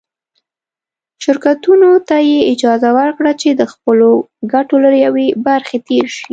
شرکتونو ته یې اجازه ورکړه چې د خپلو ګټو له یوې برخې تېر شي.